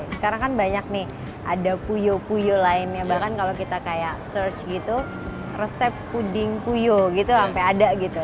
sekarang kan banyak nih ada puyo puyo lainnya bahkan kalau kita kayak search gitu resep puding puyo gitu sampai ada gitu